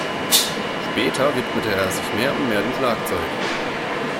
Später widmete er sich mehr und mehr dem Schlagzeug.